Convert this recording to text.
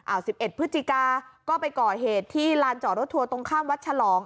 ๑๑พฤศจิกาก็ไปก่อเหตุที่ลานจอดรถทัวร์ตรงข้ามวัดฉลอง